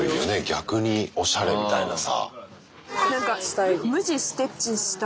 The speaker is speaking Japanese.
逆におしゃれみたいなさ。